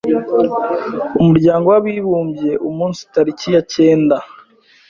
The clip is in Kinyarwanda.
’Umuryango w’Abibumbye umunsi tariki ya cyenda.